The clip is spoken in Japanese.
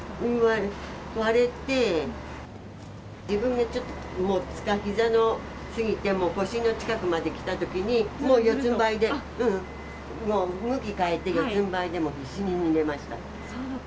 割れて、自分がちょっと、もうひざを過ぎて、もう腰の近くまで来たときに、もう四つんばいで、もう向き変えて、四つんばいでも、必死に逃げました。